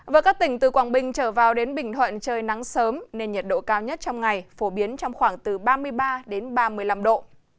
với các tỉnh từ quảng bình trở vào đến bình thuận trời nắng sớm nên nhiệt độ cao nhất trong ngày phổ biến trong khoảng từ ba mươi ba đến ba mươi năm độ